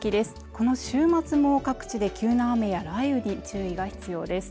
この週末も各地で急な雨や雷雨に注意が必要です